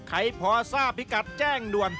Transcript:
ใครพอทราบพิกัดแจ้งด่วน